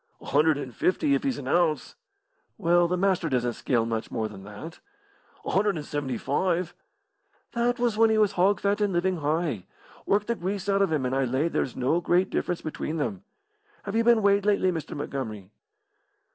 "A hundred and fifty, if he's an ounce." "Well, the Master doesn't scale much more than that." "A hundred and seventy five." "That was when he was hog fat and living high. Work the grease out of him and I lay there's no great difference between them. Have you been weighed lately, Mr. Montgomery?"